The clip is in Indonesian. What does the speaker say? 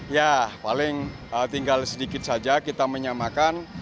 ya paling tinggal sedikit saja kita menyamakan